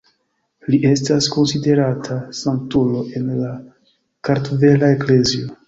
Li estas konsiderata sanktulo en la Kartvela Eklezio.